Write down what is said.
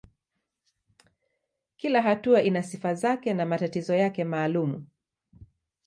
Kila hatua ina sifa zake na matatizo yake maalumu.